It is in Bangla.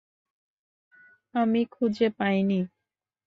আমি খুঁজে পাইনি।